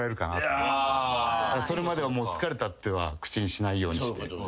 それまでは「疲れた」とは口にしないようにして。